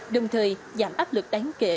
đồng thời giảm áp lực đáng kể